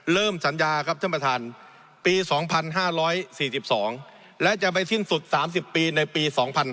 สัญญาครับท่านประธานปี๒๕๔๒และจะไปสิ้นสุด๓๐ปีในปี๒๕๕๙